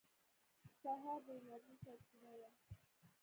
سهار د انرژۍ سرچینه ده.